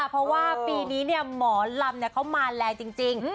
เพราะว่าปีนี้หมอลำเขามาแรงจริง